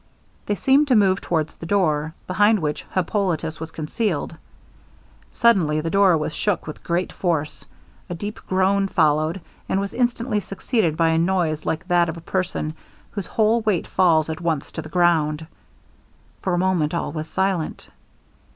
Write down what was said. They seemed to move towards the door, behind which Hippolitus was concealed; suddenly the door was shook with great force, a deep groan followed, and was instantly succeeded by a noise like that of a person whose whole weight falls at once to the ground. For a moment all was silent.